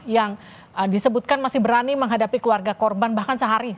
yang disebutkan masih berani menghadapi keluarga korban bahkan sehari